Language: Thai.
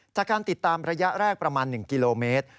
จากการติดตามระยะแรกประมาณ๑กิโลเมตร